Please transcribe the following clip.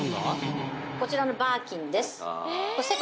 こちらのバーキンです